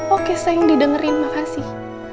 oke sayang didengerin makasih